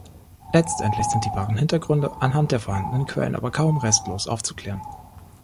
Letztendlich sind die wahren Hintergründe anhand der vorhandenen Quellen aber kaum restlos aufzuklären.